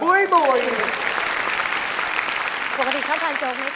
ปกติเขาทานโจ๊กไหมคะ